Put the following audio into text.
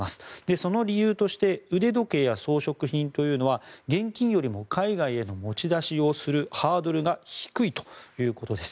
その理由として腕時計や装飾品というのは現金よりも海外への持ち出しをするハードルが低いということです。